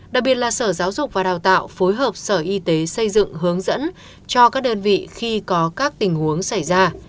đặc biệt là sở giáo dục và đào tạo phối hợp sở y tế xây dựng hướng dẫn cho các đơn vị khi có các tình huống xảy ra